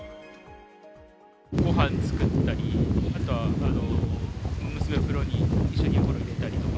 ごはん作ったり、あとは娘を風呂に、一緒にお風呂入れたりとか、